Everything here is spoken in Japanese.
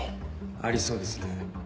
ありそうですね。